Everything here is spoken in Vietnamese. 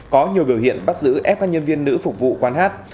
có nhiều biểu hiện bắt giữ ép các nhân viên nữ phục vụ quán hát